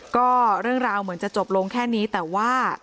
ก็เรื่องราวเหมือนจะจบลงแค่นี้แต่ว่า